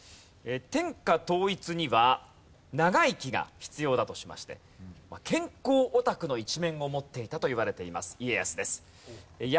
天下統一には長生きが必要だとしまして健康オタクの一面を持っていたといわれています家康です。